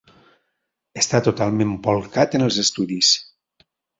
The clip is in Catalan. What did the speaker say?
Està totalment bolcat en els estudis.